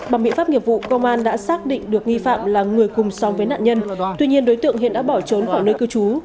bằng biện pháp nghiệp vụ công an đã xác định được nghi phạm là người cùng song với nạn nhân tuy nhiên đối tượng hiện đã bỏ trốn khỏi nơi cư trú